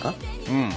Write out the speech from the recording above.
うん。